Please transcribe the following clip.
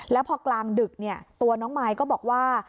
แล้วพอกลางดึกตัวน้องมายก็บอกว่า